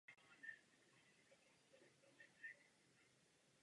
Jeho dílem je také jedna z učebnic matematiky.